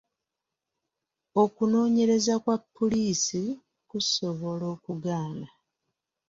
Okunoonyereza kwa puliisi kusobola okugaana.